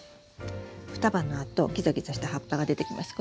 双葉のあとギザギザした葉っぱが出てきます。